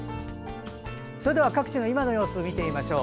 それでは各地の今の様子を見てみましょう。